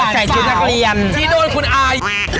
สาวที่โดนคุณอายิ้ม